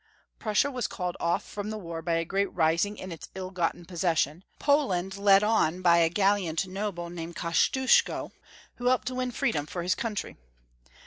Prussia was called off from the war by a great rising in its ill gotton possession, Poland led on by a gallant noble named Kosciusko, who hoped to win freedom for his country.